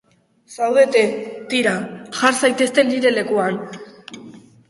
Zaudete, tira, jar zaitezte nire lekuan!